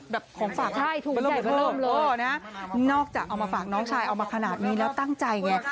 แบบของฝากมาเริ่มเลยนะครับนอกจากเอามาฝากน้องชายเอามาขนาดนี้แล้วตั้งใจไง